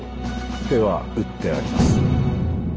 手は打ってあります。